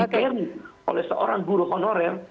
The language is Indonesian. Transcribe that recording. diterima oleh seorang buru honorer